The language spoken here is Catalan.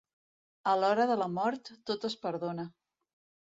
A l'hora de la mort, tot es perdona.